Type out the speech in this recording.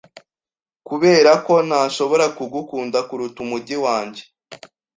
'Kuberako ntashobora kugukunda kuruta umujyi wanjye